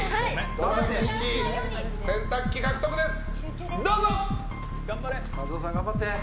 ドラム式洗濯機獲得です。